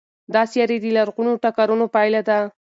دا سیارې د لرغونو ټکرونو پایله ده.